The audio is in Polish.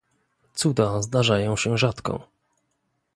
Cuda zdarzają się rzadko